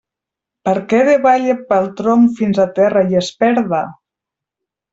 Perquè davalle pel tronc fins a terra i es perda?